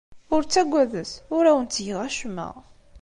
Ur ttagadet. Ur awen-ttgeɣ acemma.